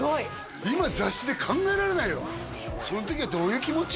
今雑誌で考えられないよその時はどういう気持ち？